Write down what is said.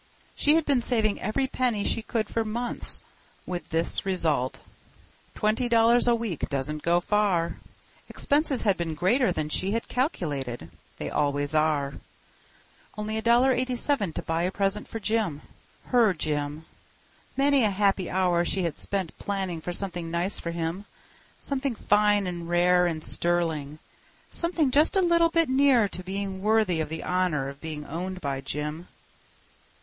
She had been saving every penny she could for months, with this result. Twenty dollars a week doesn't go far. Expenses had been greater than she had calculated. They always are. Only $1.87 to buy a present for Jim. Her Jim. Many a happy hour she had spent planning for something nice for him. Something fine and rare and sterling—something just a little bit near to being worthy of the honor of being owned by Jim.